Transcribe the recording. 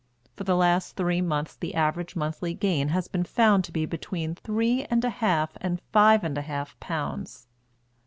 For the last three months the average monthly gain has been found to be between three and a half and five and a half pounds.